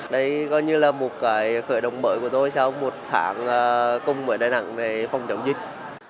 đây coi như là một cái khởi động mới của tôi sau một tháng cùng với đà nẵng về phòng chống dịch